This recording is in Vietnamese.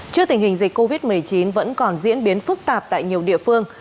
trước tình hình dịch covid một mươi chín vẫn còn diễn biến phức tạp tại nhiều địa phương